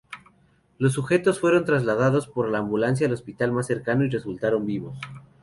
Los sujetos fueron trasladados por la ambulancia al hospital mas cercano y resultaron vivos.